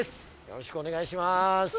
よろしくお願いします